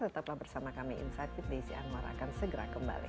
tetaplah bersama kami insight fit di sianwara akan segera kembali